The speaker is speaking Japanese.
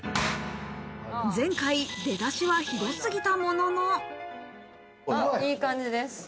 前回、出だしはひどすぎたもいい感じです。